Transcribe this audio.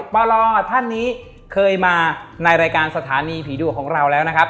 ปลท่านนี้เคยมาในรายการสถานีผีดุของเราแล้วนะครับ